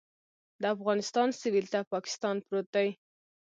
د افغانستان سویل ته پاکستان پروت دی